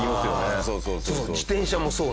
そうそうそうそう。